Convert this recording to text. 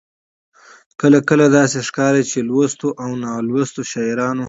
کله کله داسې ښکاري چې لوستو او نالوستو شاعرانو.